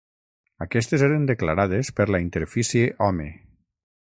Aquestes eren declarades per la interfície Home.